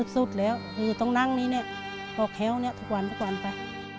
สุดแล้วคือต้องนั่งนี้เนี่ยออกแถวนี้ทุกวันทุกวันไป